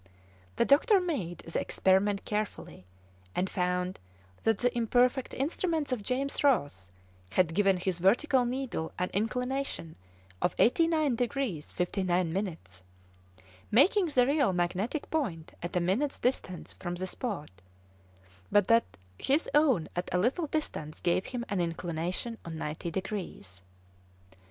The doctor made the experiment carefully, and found that the imperfect instruments of James Ross had given his vertical needle an inclination of 89 degrees 59 minutes, making the real magnetic point at a minute's distance from the spot, but that his own at a little distance gave him an inclination of 90 degrees.